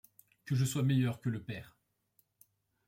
Que je sois meilleur que le Père